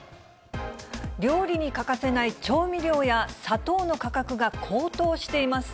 料理に欠かせない調味料や砂糖の価格が高騰しています。